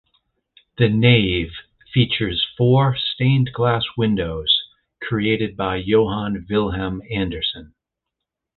The nave features four stained glass windows created by Johan Vilhelm Andersen.